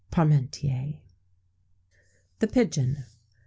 PARMENTIER. THE PIGEON.